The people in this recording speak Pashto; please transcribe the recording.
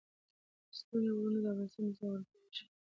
ستوني غرونه د افغانستان د زرغونتیا نښه ده.